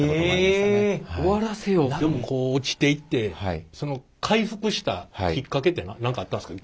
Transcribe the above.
こう落ちていってその回復したきっかけって何かあったんですか？